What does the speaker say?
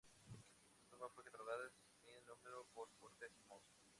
La tumba fue catalogada sin número por Porter y Moss.